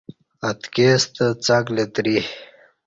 اتکی ستہ څݣ لتری